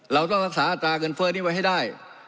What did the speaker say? เราต้องรักษาอัตราเงินเฟ้อนี้ไว้ให้ได้